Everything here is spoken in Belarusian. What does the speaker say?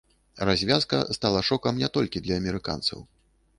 Развязка стала шокам не толькі для амерыканцаў.